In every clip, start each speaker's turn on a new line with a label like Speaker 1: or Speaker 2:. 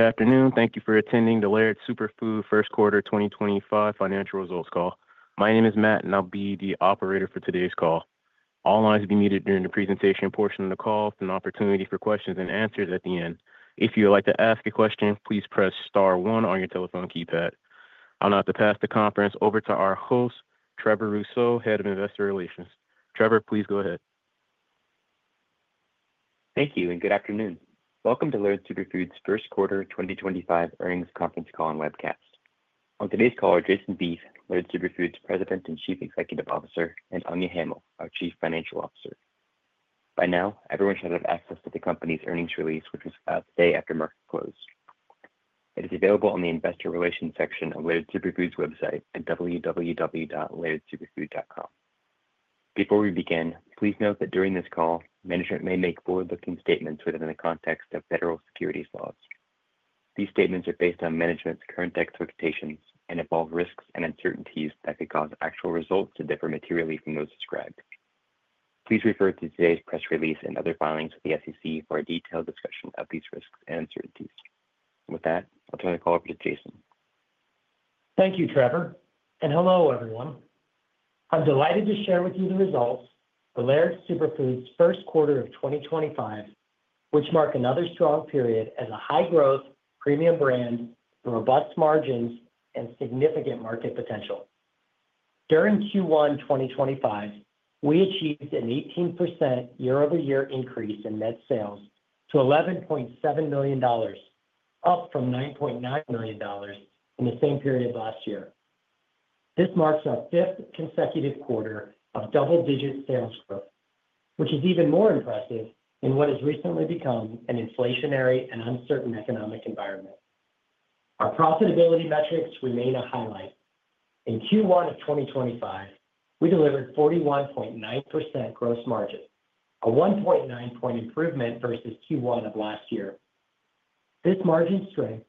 Speaker 1: Good afternoon. Thank you for attending the Laird Superfood First Quarter 2025 financial results call. My name is Matt, and I'll be the operator for today's call. All lines will be muted during the presentation portion of the call, with an opportunity for questions and answers at the end. If you would like to ask a question, please press star one on your telephone keypad. I'll now pass the conference over to our host, Trevor Rousseau, Head of Investor Relations. Trevor, please go ahead.
Speaker 2: Thank you, and good afternoon. Welcome to Laird Superfood's First Quarter 2025 earnings conference call and webcast. On today's call are Jason Vieth, Laird Superfood's President and Chief Executive Officer, and Anya Hamill, our Chief Financial Officer. By now, everyone should have access to the company's earnings release, which was filed today after market close. It is available on the Investor Relations section of Laird Superfood's website at www.lairdsuperfood.com. Before we begin, please note that during this call, management may make forward-looking statements within the context of federal securities laws. These statements are based on management's current expectations and involve risks and uncertainties that could cause actual results to differ materially from those described. Please refer to today's press release and other filings with the SEC for a detailed discussion of these risks and uncertainties. With that, I'll turn the call over to Jason.
Speaker 3: Thank you, Trevor. Hello, everyone. I'm delighted to share with you the results for Laird Superfood's first quarter of 2025, which mark another strong period as a high-growth premium brand with robust margins and significant market potential. During Q1 2025, we achieved an 18% year-over-year increase in net sales to $11.7 million, up from $9.9 million in the same period last year. This marks our fifth consecutive quarter of double-digit sales growth, which is even more impressive in what has recently become an inflationary and uncertain economic environment. Our profitability metrics remain a highlight. In Q1 2025, we delivered 41.9% gross margin, a 1.9-point improvement versus Q1 last year. This margin strength,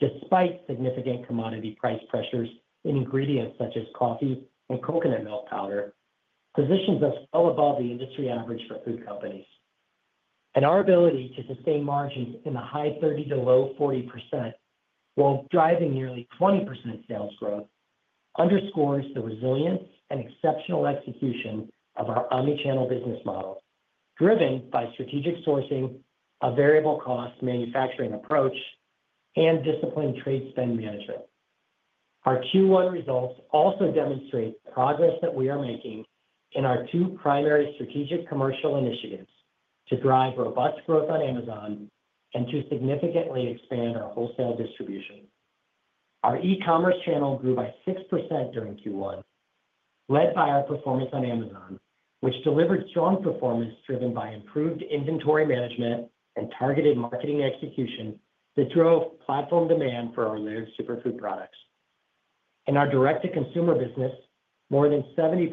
Speaker 3: despite significant commodity price pressures in ingredients such as coffee and coconut milk powder, positions us well above the industry average for food companies. Our ability to sustain margins in the high 30%-low 40% range, while driving nearly 20% sales growth, underscores the resilience and exceptional execution of our omnichannel business model, driven by strategic sourcing, a variable-cost manufacturing approach, and disciplined trade spend management. Our Q1 results also demonstrate the progress that we are making in our two primary strategic commercial initiatives to drive robust growth on Amazon and to significantly expand our wholesale distribution. Our e-commerce channel grew by 6% during Q1, led by our performance on Amazon, which delivered strong performance driven by improved inventory management and targeted marketing execution that drove platform demand for our Laird Superfood products. In our direct-to-consumer business, more than 75%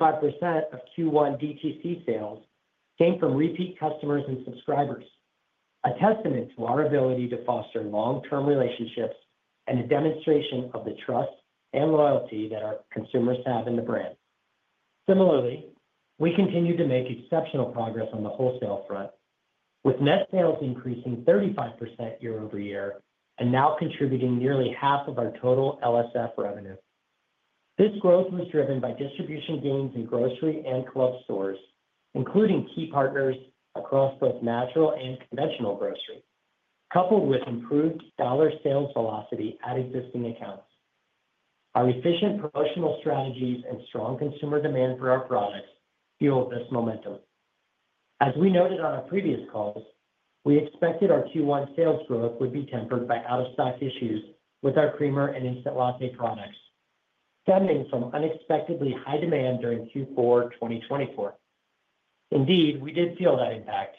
Speaker 3: of Q1 DTC sales came from repeat customers and subscribers, a testament to our ability to foster long-term relationships and a demonstration of the trust and loyalty that our consumers have in the brand. Similarly, we continue to make exceptional progress on the wholesale front, with net sales increasing 35% year-over-year and now contributing nearly half of our total Laird Superfood revenue. This growth was driven by distribution gains in grocery and club stores, including key partners across both natural and conventional grocery, coupled with improved dollar sales velocity at existing accounts. Our efficient promotional strategies and strong consumer demand for our products fueled this momentum. As we noted on our previous calls, we expected our Q1 sales growth would be tempered by out-of-stock issues with our creamer and instant latte products, stemming from unexpectedly high demand during Q4 2024. Indeed, we did feel that impact,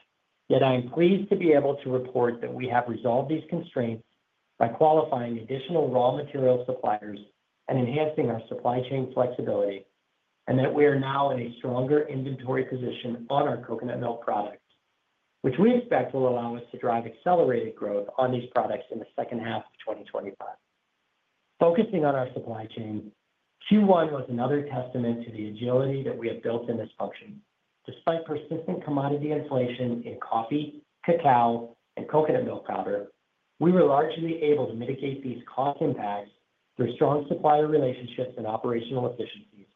Speaker 3: yet I am pleased to be able to report that we have resolved these constraints by qualifying additional raw material suppliers and enhancing our supply chain flexibility, and that we are now in a stronger inventory position on our coconut milk products, which we expect will allow us to drive accelerated growth on these products in the second half of 2025. Focusing on our supply chain, Q1 was another testament to the agility that we have built in this function. Despite persistent commodity inflation in coffee, cacao, and coconut milk powder, we were largely able to mitigate these cost impacts through strong supplier relationships and operational efficiencies,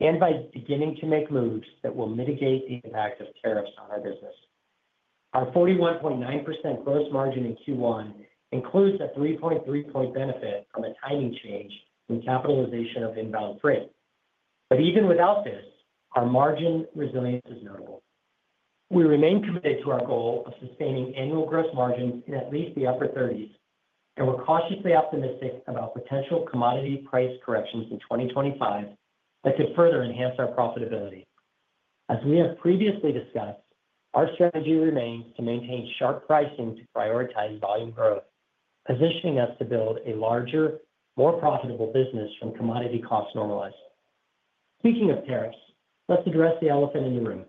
Speaker 3: and by beginning to make moves that will mitigate the impact of tariffs on our business. Our 41.9% gross margin in Q1 includes a 3.3-point benefit from a timing change in capitalization of inbound freight. Even without this, our margin resilience is notable. We remain committed to our goal of sustaining annual gross margins in at least the upper 30s, and we're cautiously optimistic about potential commodity price corrections in 2025 that could further enhance our profitability. As we have previously discussed, our strategy remains to maintain sharp pricing to prioritize volume growth, positioning us to build a larger, more profitable business from commodity cost normalizing. Speaking of tariffs, let's address the elephant in the room.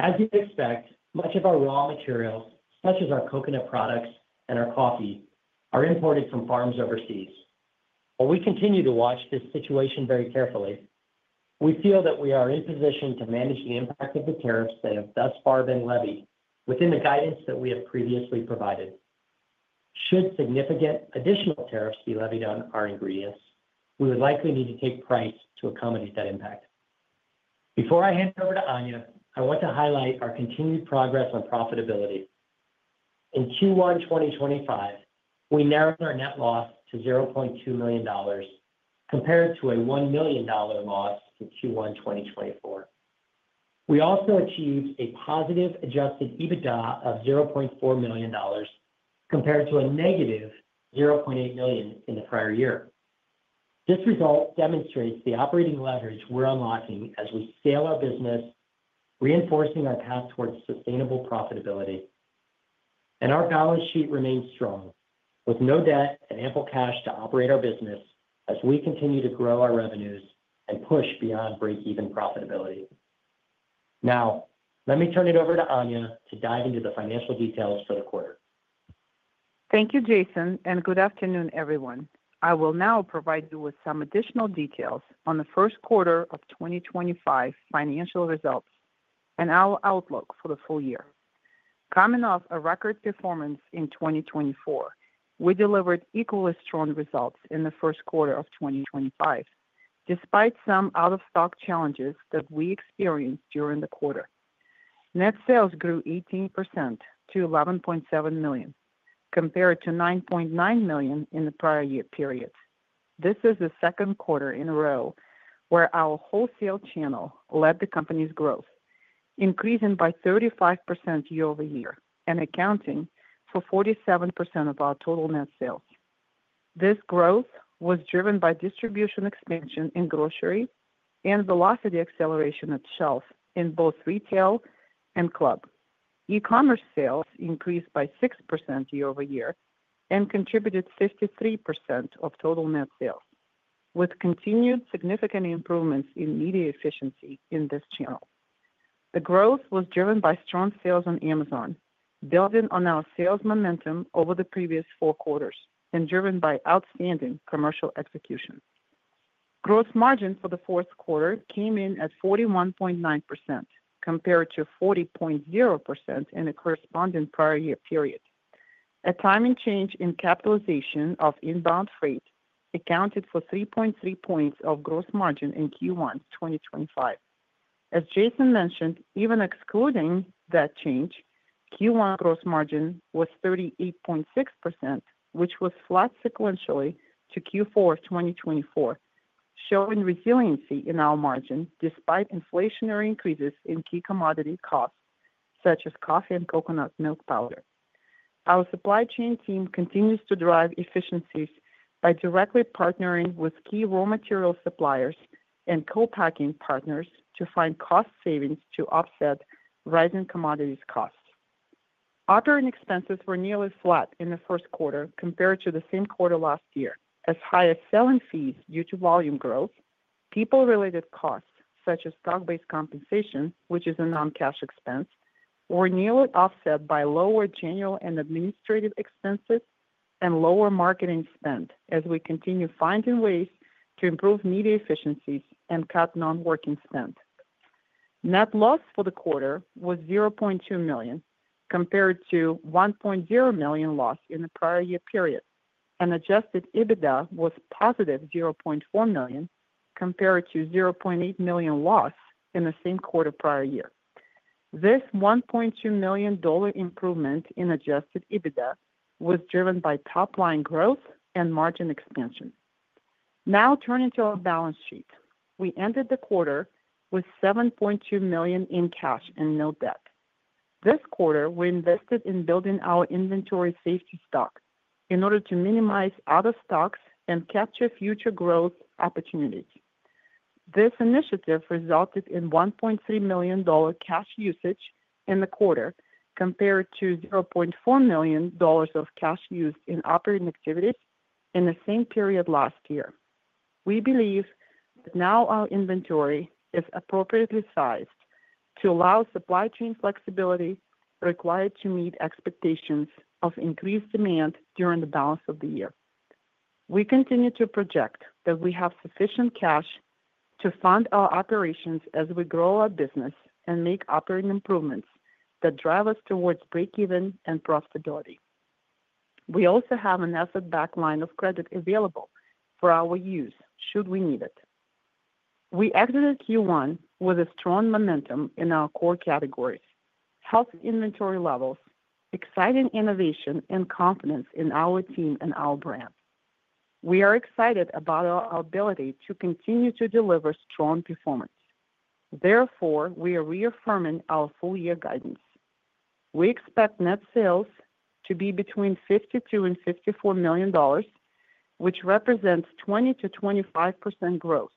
Speaker 3: As you'd expect, much of our raw materials, such as our coconut products and our coffee, are imported from farms overseas. While we continue to watch this situation very carefully, we feel that we are in position to manage the impact of the tariffs that have thus far been levied within the guidance that we have previously provided. Should significant additional tariffs be levied on our ingredients, we would likely need to take price to accommodate that impact. Before I hand over to Anya, I want to highlight our continued progress on profitability. In Q1 2025, we narrowed our net loss to $0.2 million compared to a $1 million loss in Q1 2024. We also achieved a positive adjusted EBITDA of $0.4 million compared to a negative $0.8 million in the prior year. This result demonstrates the operating leverage we're unlocking as we scale our business, reinforcing our path towards sustainable profitability. Our balance sheet remains strong, with no debt and ample cash to operate our business as we continue to grow our revenues and push beyond break-even profitability. Now, let me turn it over to Anya to dive into the financial details for the quarter.
Speaker 4: Thank you, Jason, and good afternoon, everyone. I will now provide you with some additional details on the first quarter of 2025 financial results and our outlook for the full year. Coming off a record performance in 2024, we delivered equally strong results in the first quarter of 2025, despite some out-of-stock challenges that we experienced during the quarter. Net sales grew 18% to $11.7 million, compared to $9.9 million in the prior year period. This is the second quarter in a row where our wholesale channel led the company's growth, increasing by 35% year-over-year and accounting for 47% of our total net sales. This growth was driven by distribution expansion in grocery and velocity acceleration at shelf in both retail and club. E-commerce sales increased by 6% year-over-year and contributed 53% of total net sales, with continued significant improvements in media efficiency in this channel. The growth was driven by strong sales on Amazon, building on our sales momentum over the previous four quarters and driven by outstanding commercial execution. Gross margin for the fourth quarter came in at 41.9%, compared to 40.0% in the corresponding prior year period. A timing change in capitalization of inbound freight accounted for 3.3 percentage points of gross margin in Q1 2025. As Jason mentioned, even excluding that change, Q1 gross margin was 38.6%, which was flat sequentially to Q4 2024, showing resiliency in our margin despite inflationary increases in key commodity costs, such as coffee and coconut milk powder. Our supply chain team continues to drive efficiencies by directly partnering with key raw material suppliers and co-packing partners to find cost savings to offset rising commodities costs. Operating expenses were nearly flat in the first quarter compared to the same quarter last year, as high as selling fees due to volume growth, people-related costs such as stock-based compensation, which is a non-cash expense, were nearly offset by lower general and administrative expenses and lower marketing spend as we continue finding ways to improve media efficiencies and cut non-working spend. Net loss for the quarter was $0.2 million compared to $1.0 million loss in the prior year period, and adjusted EBITDA was positive $0.4 million compared to $0.8 million loss in the same quarter prior year. This $1.2 million improvement in adjusted EBITDA was driven by top-line growth and margin expansion. Now, turning to our balance sheet, we ended the quarter with $7.2 million in cash and no debt. This quarter, we invested in building our inventory safety stock in order to minimize out-of-stocks and capture future growth opportunities. This initiative resulted in $1.3 million cash usage in the quarter compared to $0.4 million of cash used in operating activities in the same period last year. We believe that now our inventory is appropriately sized to allow supply chain flexibility required to meet expectations of increased demand during the balance of the year. We continue to project that we have sufficient cash to fund our operations as we grow our business and make operating improvements that drive us towards break-even and profitability. We also have an asset-backed line of credit available for our use should we need it. We exited Q1 with a strong momentum in our core categories: healthy inventory levels, exciting innovation, and confidence in our team and our brand. We are excited about our ability to continue to deliver strong performance. Therefore, we are reaffirming our full-year guidance. We expect net sales to be between $52 million and $54 million, which represents 20%-25% growth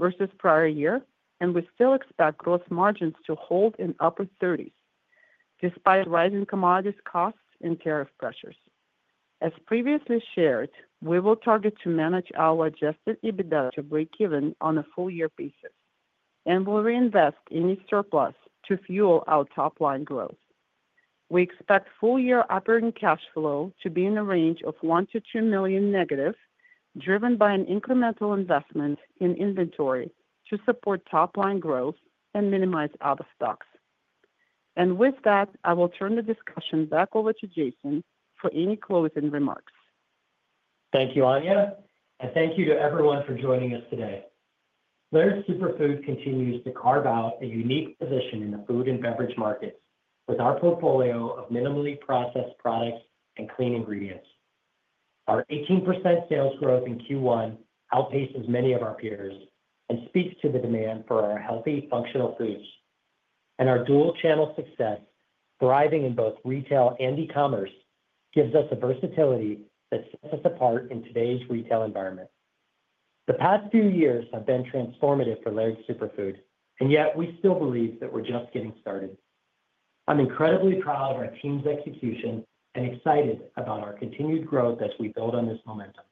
Speaker 4: versus prior year, and we still expect gross margins to hold in upper 30s despite rising commodities costs and tariff pressures. As previously shared, we will target to manage our adjusted EBITDA to break-even on a full-year basis and will reinvest any surplus to fuel our top-line growth. We expect full-year operating cash flow to be in the range of $1 million to $2 million negative, driven by an incremental investment in inventory to support top-line growth and minimize out-of-stocks. With that, I will turn the discussion back over to Jason for any closing remarks.
Speaker 3: Thank you, Anya. Thank you to everyone for joining us today. Laird Superfood continues to carve out a unique position in the food and beverage markets with our portfolio of minimally processed products and clean ingredients. Our 18% sales growth in Q1 outpaces many of our peers and speaks to the demand for our healthy, functional foods. Our dual-channel success, thriving in both retail and e-commerce, gives us a versatility that sets us apart in today's retail environment. The past few years have been transformative for Laird Superfood, and yet we still believe that we're just getting started. I'm incredibly proud of our team's execution and excited about our continued growth as we build on this momentum.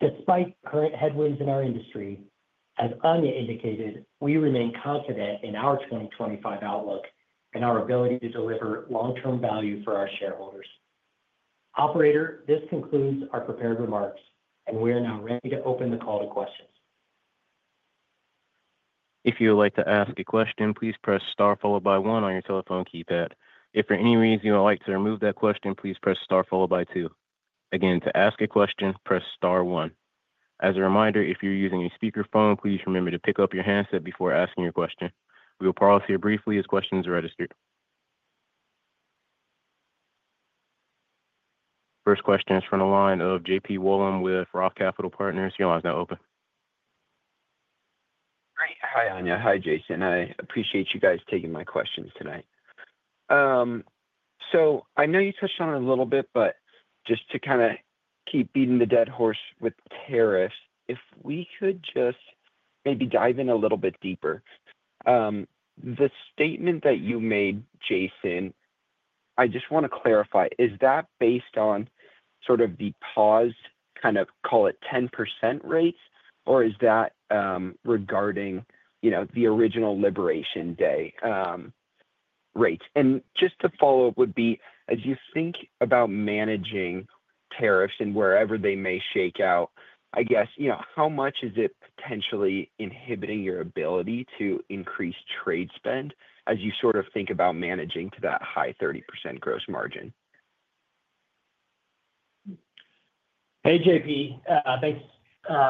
Speaker 3: Despite current headwinds in our industry, as Anya indicated, we remain confident in our 2025 outlook and our ability to deliver long-term value for our shareholders. Operator, this concludes our prepared remarks, and we are now ready to open the call to questions.
Speaker 1: If you would like to ask a question, please press Star followed by one on your telephone keypad. If for any reason you would like to remove that question, please press Star followed by two. Again, to ask a question, press Star one. As a reminder, if you're using a speakerphone, please remember to pick up your handset before asking your question. We will pause here briefly as questions are registered. First question is from the line of JP Wollom with Roth Capital Partners. Your line's now open.
Speaker 5: Great. Hi, Anya. Hi, Jason. I appreciate you guys taking my questions tonight. I know you touched on it a little bit, but just to kind of keep beating the dead horse with tariffs, if we could just maybe dive in a little bit deeper. The statement that you made, Jason, I just want to clarify, is that based on sort of the pause, kind of call it 10% rates, or is that regarding the original liberation day rates? Just to follow up would be, as you think about managing tariffs and wherever they may shake out, I guess, how much is it potentially inhibiting your ability to increase trade spend as you sort of think about managing to that high 30% gross margin?
Speaker 3: Hey, JP. Thanks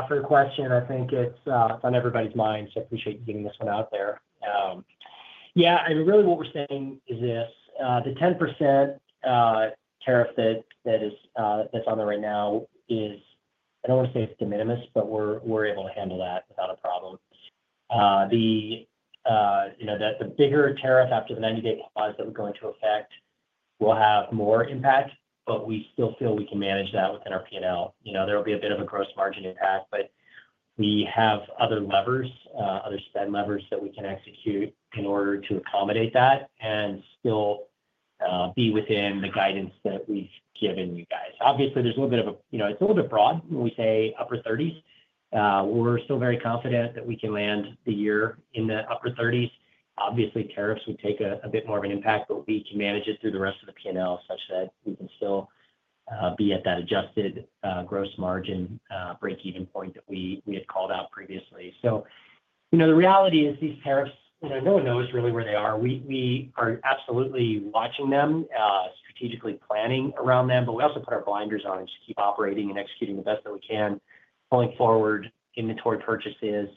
Speaker 3: for the question. I think it's on everybody's mind, so I appreciate you getting this one out there. Yeah, I mean, really what we're saying is this. The 10% tariff that's on there right now is, I don't want to say it's de minimis, but we're able to handle that without a problem. The bigger tariff after the 90-day pause that we're going to affect will have more impact, but we still feel we can manage that within our P&L. There will be a bit of a gross margin impact, but we have other levers, other spend levers that we can execute in order to accommodate that and still be within the guidance that we've given you guys. Obviously, there's a little bit of a, it's a little bit broad when we say upper 30s. We're still very confident that we can land the year in the upper 30s. Obviously, tariffs would take a bit more of an impact, but we can manage it through the rest of the P&L such that we can still be at that adjusted gross margin break-even point that we had called out previously. The reality is these tariffs, no one knows really where they are. We are absolutely watching them, strategically planning around them, but we also put our blinders on and just keep operating and executing the best that we can, pulling forward inventory purchases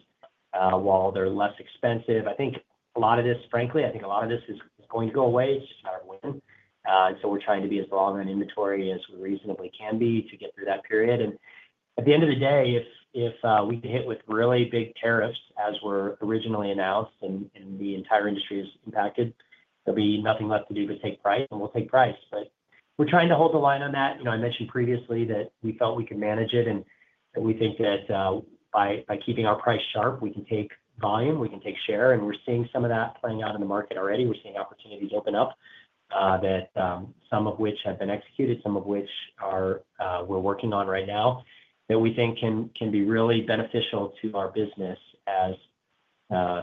Speaker 3: while they're less expensive. I think a lot of this, frankly, I think a lot of this is going to go away. It's just a matter of when. We're trying to be as long on inventory as we reasonably can be to get through that period. At the end of the day, if we hit with really big tariffs as were originally announced and the entire industry is impacted, there will be nothing left to do but take price, and we will take price. We are trying to hold the line on that. I mentioned previously that we felt we could manage it and that we think that by keeping our price sharp, we can take volume, we can take share. We are seeing some of that playing out in the market already. We are seeing opportunities open up, some of which have been executed, some of which we are working on right now, that we think can be really beneficial to our business as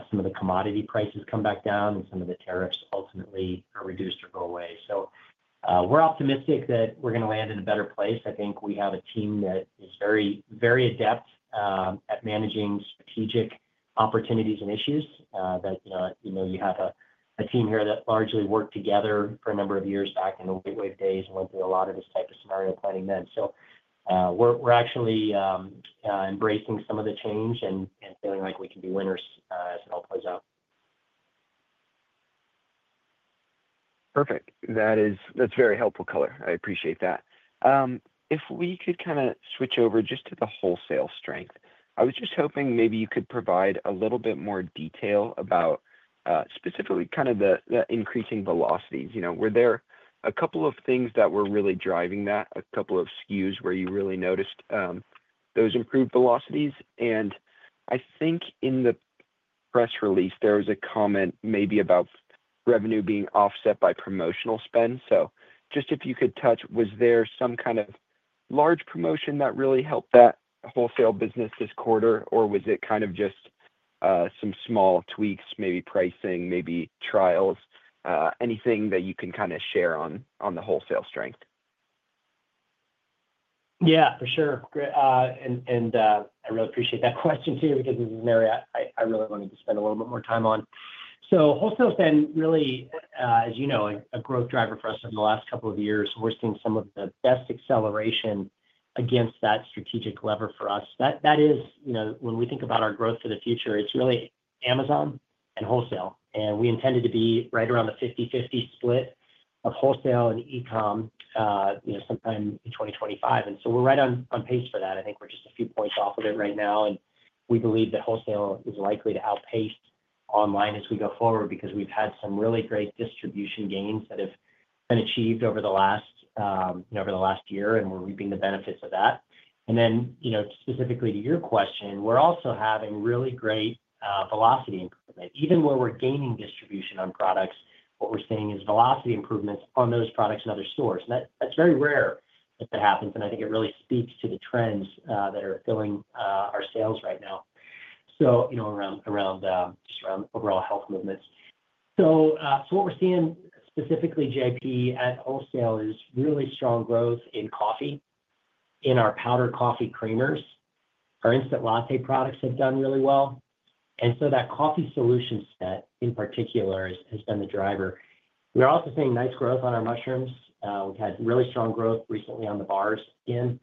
Speaker 3: some of the commodity prices come back down and some of the tariffs ultimately are reduced or go away. We are optimistic that we are going to land in a better place. I think we have a team that is very adept at managing strategic opportunities and issues that, you know, you have a team here that largely worked together for a number of years back in the late wave days and went through a lot of this type of scenario planning then. We are actually embracing some of the change and feeling like we can be winners as it all plays out.
Speaker 5: Perfect. That's very helpful color. I appreciate that. If we could kind of switch over just to the wholesale strength, I was just hoping maybe you could provide a little bit more detail about specifically kind of the increasing velocities. Were there a couple of things that were really driving that, a couple of SKUs where you really noticed those improved velocities? I think in the press release, there was a comment maybe about revenue being offset by promotional spend. Just if you could touch, was there some kind of large promotion that really helped that wholesale business this quarter, or was it kind of just some small tweaks, maybe pricing, maybe trials, anything that you can kind of share on the wholesale strength?
Speaker 3: Yeah, for sure. I really appreciate that question too because this is an area I really wanted to spend a little bit more time on. Wholesale spend really, as you know, a growth driver for us in the last couple of years. We're seeing some of the best acceleration against that strategic lever for us. That is, when we think about our growth for the future, it's really Amazon and wholesale. We intended to be right around the 50/50 split of wholesale and e-com sometime in 2025. We're right on pace for that. I think we're just a few points off of it right now. We believe that wholesale is likely to outpace online as we go forward because we've had some really great distribution gains that have been achieved over the last year and we're reaping the benefits of that. Then specifically to your question, we're also having really great velocity improvement. Even where we're gaining distribution on products, what we're seeing is velocity improvements on those products in other stores. That is very rare that that happens. I think it really speaks to the trends that are fueling our sales right now, just around overall health movements. What we're seeing specifically, JP, at wholesale is really strong growth in coffee, in our powder coffee creamers. Our instant latte products have done really well. That coffee solution set in particular has been the driver. We're also seeing nice growth on our mushrooms. We've had really strong growth recently on the bars again.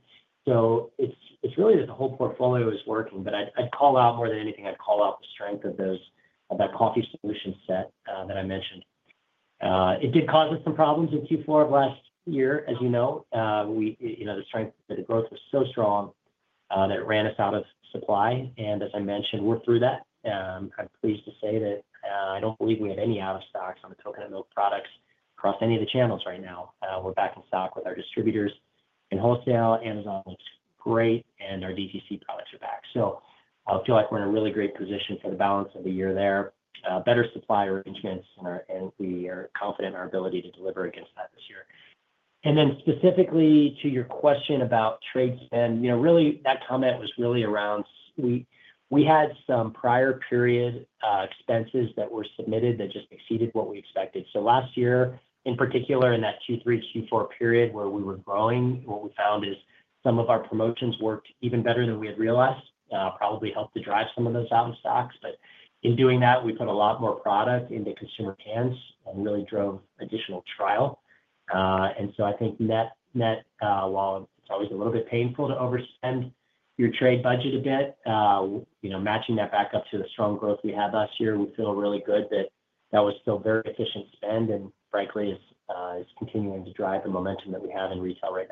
Speaker 3: It is really that the whole portfolio is working. More than anything, I'd call out the strength of that coffee solution set that I mentioned. It did cause us some problems in Q4 of last year, as you know. The strength, the growth was so strong that it ran us out of supply. As I mentioned, we're through that. I'm pleased to say that I don't believe we have any out-of-stocks on the coconut milk products across any of the channels right now. We're back in stock with our distributors in wholesale. Amazon looks great, and our DTC products are back. I feel like we're in a really great position for the balance of the year there, better supply arrangements, and we are confident in our ability to deliver against that this year. Specifically to your question about trade spend, really that comment was really around we had some prior period expenses that were submitted that just exceeded what we expected. Last year, in particular, in that Q3, Q4 period where we were growing, what we found is some of our promotions worked even better than we had realized, probably helped to drive some of those out of stocks. In doing that, we put a lot more product into consumer hands and really drove additional trial. I think net, while it is always a little bit painful to overspend your trade budget a bit, matching that back up to the strong growth we had last year, we feel really good that that was still very efficient spend and frankly is continuing to drive the momentum that we have in retail right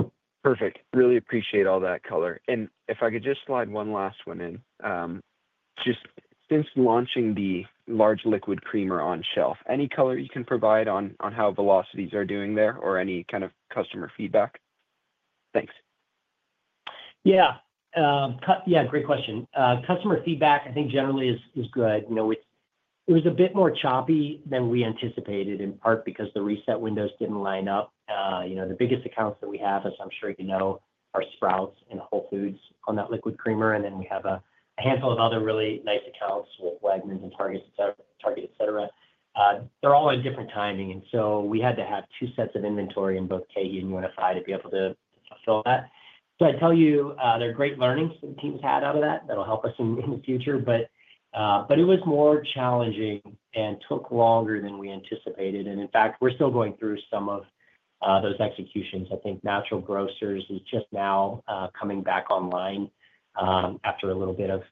Speaker 3: now.
Speaker 5: Perfect. Really appreciate all that color. If I could just slide one last one in, just since launching the large liquid creamer on shelf, any color you can provide on how velocities are doing there or any kind of customer feedback? Thanks.
Speaker 3: Yeah. Yeah, great question. Customer feedback, I think generally is good. It was a bit more choppy than we anticipated in part because the reset windows did not line up. The biggest accounts that we have, as I am sure you know, are Sprouts and Whole Foods on that liquid creamer. Then we have a handful of other really nice accounts with Wegmans and Target, etc. They are all in different timing. We had to have two sets of inventory in both KeHE and UNFI to be able to fulfill that. I would tell you there are great learnings that the team's had out of that that will help us in the future. It was more challenging and took longer than we anticipated. In fact, we are still going through some of those executions. I think Natural Grocers is just now coming back online after a little bit of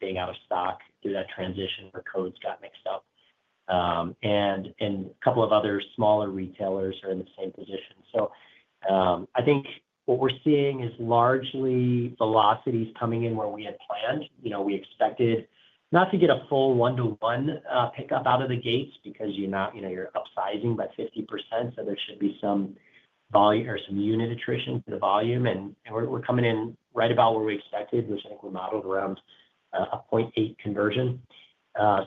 Speaker 3: being out of stock through that transition where codes got mixed up. A couple of other smaller retailers are in the same position. I think what we're seeing is largely velocities coming in where we had planned. We expected not to get a full one-to-one pickup out of the gates because you're upsizing by 50%. There should be some volume or some unit attrition to the volume. We're coming in right about where we expected, which I think we modeled around a 0.8 conversion. I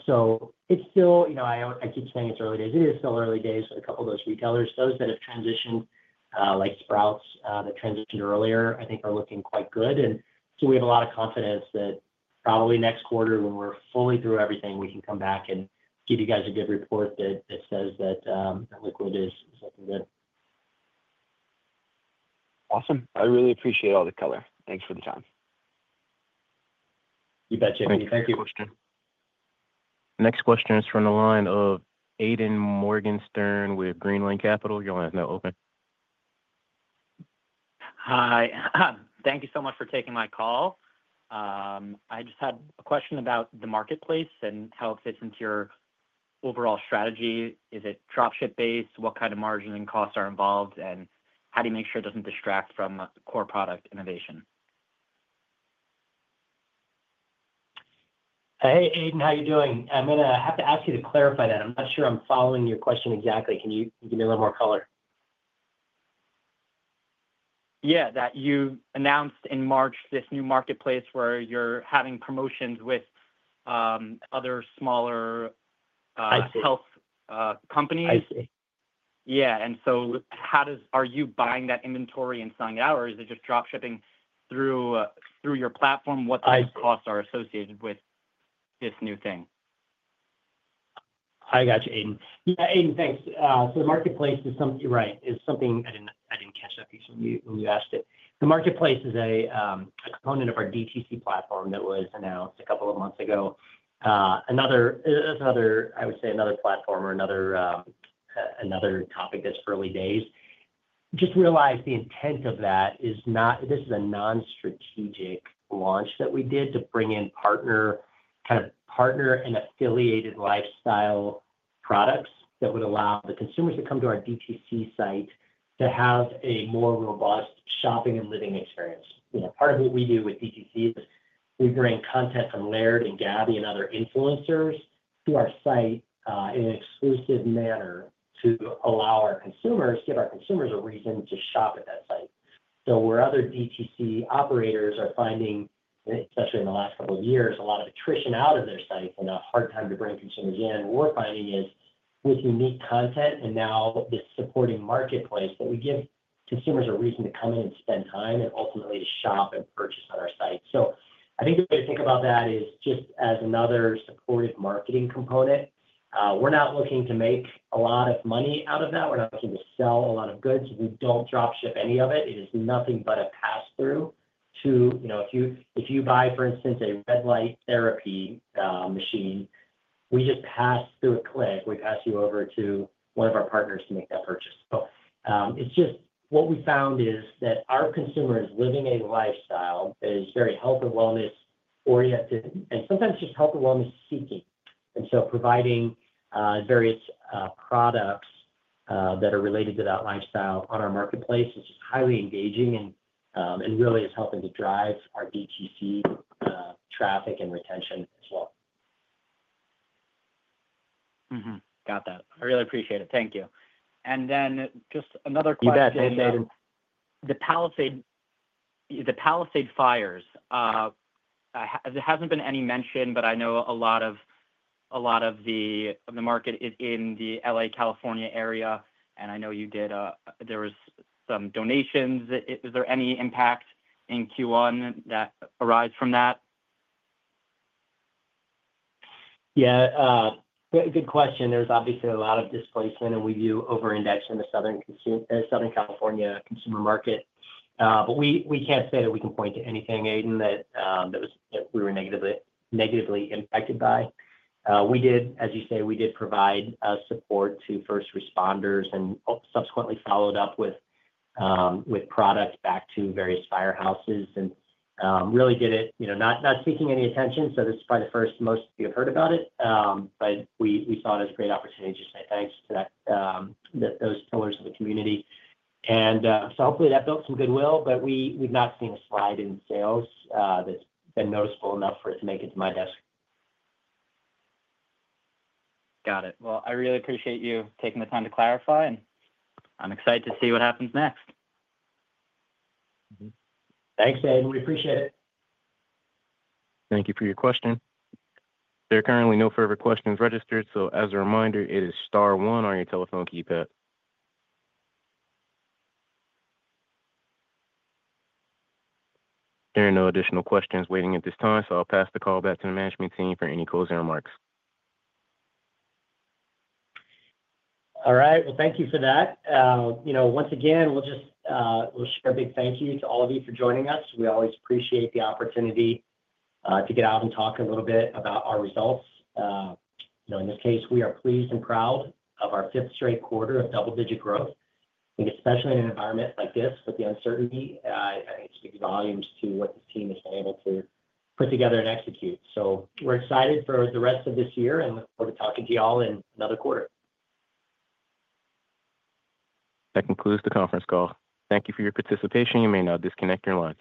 Speaker 3: keep saying it's early days. It is still early days with a couple of those retailers. Those that have transitioned, like Sprouts that transitioned earlier, I think are looking quite good. We have a lot of confidence that probably next quarter when we're fully through everything, we can come back and give you guys a good report that says that liquid is looking good.
Speaker 5: Awesome. I really appreciate all the color. Thanks for the time.
Speaker 3: You bet, JP. Thank you.
Speaker 1: Next question is from the line of Aiden Morgan Stern with Greenland Capital. You're on the line. No, open.
Speaker 6: Hi. Thank you so much for taking my call. I just had a question about the marketplace and how it fits into your overall strategy. Is it dropship-based? What kind of margin and costs are involved? How do you make sure it does not distract from core product innovation?
Speaker 3: Hey, Aiden, how are you doing? I'm going to have to ask you to clarify that. I'm not sure I'm following your question exactly. Can you give me a little more color?
Speaker 6: Yeah, that you announced in March this new marketplace where you're having promotions with other smaller health companies.
Speaker 3: I see.
Speaker 6: Yeah. Are you buying that inventory and selling it out, or is it just dropshipping through your platform? What are those costs associated with this new thing?
Speaker 3: I got you, Aiden. Yeah, Aiden, thanks. The marketplace is something, you're right. I didn't catch that piece when you asked it. The marketplace is a component of our DTC platform that was announced a couple of months ago. That's another, I would say, another platform or another topic that's early days. Just realize the intent of that is not, this is a non-strategic launch that we did to bring in kind of partner and affiliated lifestyle products that would allow the consumers to come to our DTC site to have a more robust shopping and living experience. Part of what we do with DTC is we bring content from Laird and Gabby and other influencers to our site in an exclusive manner to allow our consumers, give our consumers a reason to shop at that site. Where other DTC operators are finding, especially in the last couple of years, a lot of attrition out of their sites and a hard time to bring consumers in, what we are finding is with unique content and now this supporting marketplace that we give consumers a reason to come in and spend time and ultimately shop and purchase on our site. I think the way to think about that is just as another supportive marketing component. We are not looking to make a lot of money out of that. We are not looking to sell a lot of goods. We do not dropship any of it. It is nothing but a pass-through to if you buy, for instance, a red light therapy machine, we just pass through a click. We pass you over to one of our partners to make that purchase. What we found is that our consumer is living a lifestyle that is very health and wellness-oriented and sometimes just health and wellness-seeking. Providing various products that are related to that lifestyle on our marketplace is just highly engaging and really is helping to drive our DTC traffic and retention as well.
Speaker 6: Got that. I really appreciate it. Thank you. Just another question.
Speaker 3: You bet.
Speaker 6: The Palisade fires, there has not been any mention, but I know a lot of the market is in the LA, California area. I know you did, there was some donations. Is there any impact in Q1 that arised from that?
Speaker 3: Yeah. Good question. There is obviously a lot of displacement, and we do over-index in the Southern California consumer market. We cannot say that we can point to anything, Aiden, that we were negatively impacted by. As you say, we did provide support to first responders and subsequently followed up with product back to various firehouses and really did it not seeking any attention. This is probably the first most of you have heard about it. We saw it as a great opportunity to just say thanks to those pillars of the community. Hopefully that built some goodwill, but we've not seen a slide in sales that's been noticeable enough for it to make it to my desk.
Speaker 1: Got it. I really appreciate you taking the time to clarify, and I'm excited to see what happens next.
Speaker 3: Thanks, Aiden. We appreciate it.
Speaker 1: Thank you for your question. There are currently no further questions registered. As a reminder, it is Star One on your telephone keypad. There are no additional questions waiting at this time, so I'll pass the call back to the management team for any closing remarks.
Speaker 3: All right. Thank you for that. Once again, we'll share a big thank you to all of you for joining us. We always appreciate the opportunity to get out and talk a little bit about our results. In this case, we are pleased and proud of our fifth straight quarter of double-digit growth, especially in an environment like this with the uncertainty and the big volumes to what this team has been able to put together and execute. We are excited for the rest of this year and look forward to talking to you all in another quarter.
Speaker 1: That concludes the conference call. Thank you for your participation. You may now disconnect your lines.